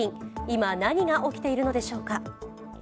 今、何が起きているのでしょうか。